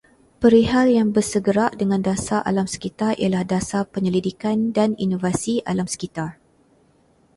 Perihal yang bersegerak dengan dasar alam sekitar ialah dasar penyelidikan dan inovasi alam sekitar